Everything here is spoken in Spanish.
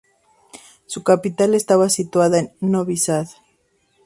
Su capital estaba situada en Novi Sad.